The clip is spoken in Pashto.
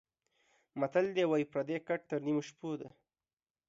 متل ده:واى پردى ګټ تر نيمو شپو ده.